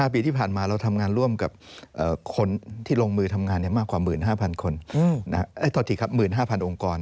๑๕ปีที่ผ่านมาเราทำงานร่วมกับคนที่ลงมือทำงานมากกว่า๑๕๐๐๐โครงกร